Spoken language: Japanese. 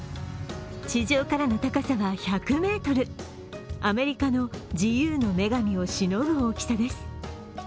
地上からの高さは１００ｍ、アメリカの自由の女神をしのぐ大きさです。